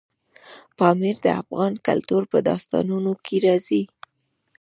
پامیر د افغان کلتور په داستانونو کې راځي.